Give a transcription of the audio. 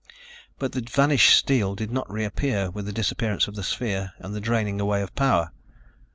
But the vanished steel did not reappear with the disappearance of the sphere and the draining away of power.